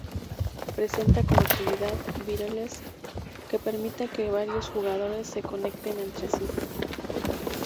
Presenta conectividad "wireless" que permite que varios jugadores se conecten entre sí.